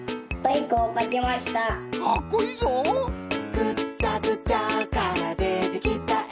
「ぐっちゃぐちゃからでてきたえ」